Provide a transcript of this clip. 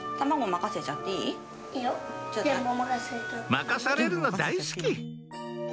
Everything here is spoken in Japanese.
任されるの大好き！